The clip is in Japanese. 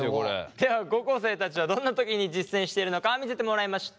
では高校生たちはどんな時に実践しているのか見せてもらいました。